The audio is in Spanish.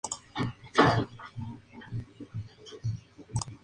Todas las canciones fueron compuestas por Lennon-McCartney, excepto donde se indica.